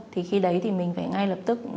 thì khi đấy thì mình phải ngay lập tức